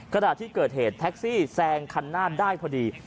ขณะที่เกิดเหตุแท็กซี่แซงคันหน้าได้พอดี